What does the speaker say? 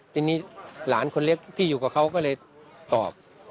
ทีนี้หลานคนเล็กที่อยู่กับเขาก็เลยตอบ